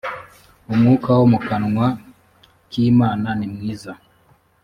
umwuka wo mu kanwa k imana nimwiza